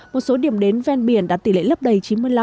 một số điểm đến ven biển đạt tỷ lệ lấp đầy chín mươi năm một trăm linh